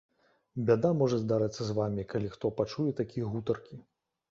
Бяда можа здарыцца з вамі, калі хто пачуе такія гутаркі.